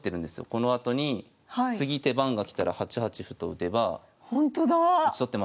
このあとに次手番が来たら８八歩と打てば。